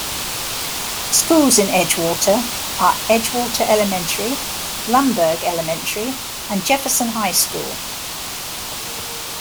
Schools in Edgewater are Edgewater Elementary, Lumberg Elementary, and Jefferson High School.